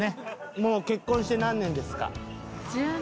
もう結婚して何年ですか？